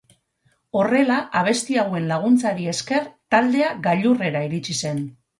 Horrela, abesti hauen laguntzari esker taldea gailurrera iritsi zen.